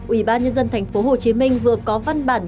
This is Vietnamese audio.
ủy ban nhân dân tp hcm vừa có văn bản